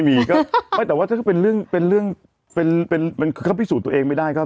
มันควรเป็นเรื่องมันเข้าไปสูทน์ตัวเองไม่ได้